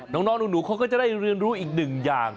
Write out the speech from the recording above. น้องหนูเขาก็จะได้เรียนรู้อีกหนึ่งอย่าง